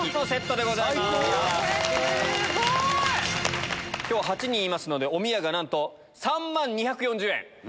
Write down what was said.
これすごい！今日８人いますのでおみやがなんと３万２４０円。